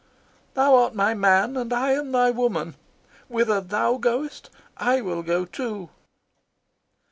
"Thou art my man and I am thy woman. Whither thou goest I will go, too."